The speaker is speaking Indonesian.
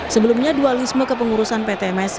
sebelumnya dualisme kepengurusan ptmsi